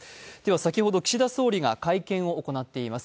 先ほど岸田総理が会見を行っています。